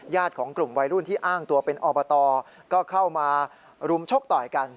ของกลุ่มวัยรุ่นที่อ้างตัวเป็นอบตก็เข้ามารุมชกต่อยกัน